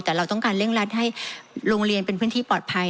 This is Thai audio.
แต่เราต้องการเร่งรัดให้โรงเรียนเป็นพื้นที่ปลอดภัย